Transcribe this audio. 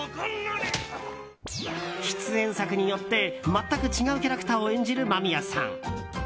出演作によって全く違うキャラクターを演じる間宮さん。